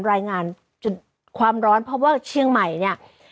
รายงานจุดความร้อนเพราะว่าเชียงใหม่เนี่ย